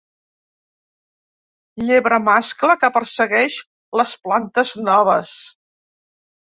Llebre mascle que persegueix les plantes noves.